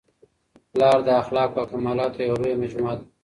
پلار د اخلاقو او کمالاتو یوه لویه مجموعه ده.